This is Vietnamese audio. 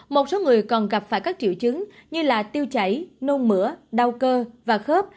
một số người còn gặp phải các triệu chứng như tiêu chảy nôn mửa đau cơ và khớp